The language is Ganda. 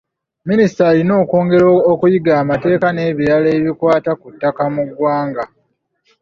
Minisita alina okwongera okuyiga amateeka n’ebirala ebikwata ku ttaka mu ggwanga.